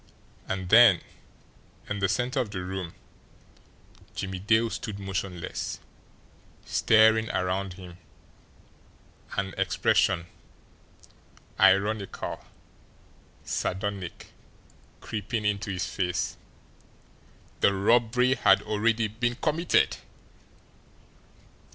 And then, in the centre of the room, Jimmie Dale stood motionless, staring around him, an expression, ironical, sardonic, creeping into his face. THE ROBBERY HAD ALREADY BEEN COMMITTED!